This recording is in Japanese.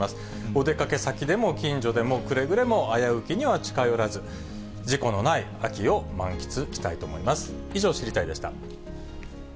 お出かけ先でも、近所でも、くれぐれも危うきには近寄らず、事故のない秋を満喫したいと思います。